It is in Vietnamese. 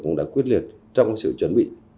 cũng đã quyết liệt trong sự chuẩn bị